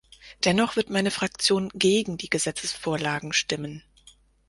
Dennoch wird meine Fraktion gegen die Gesetzesvorlagen stimmen.